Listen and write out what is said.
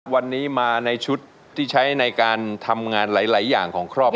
วันนี้มาในชุดที่ใช้ในการทำงานหลายอย่างของครอบครัว